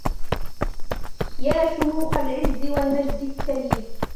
يا شموخ العز والمجد التليد